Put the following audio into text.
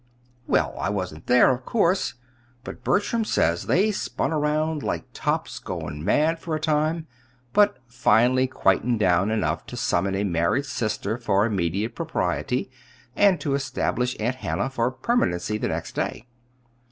"Well, I wasn't there, of course; but Bertram says they spun around like tops gone mad for a time, but finally quieted down enough to summon a married sister for immediate propriety, and to establish Aunt Hannah for permanency the next day."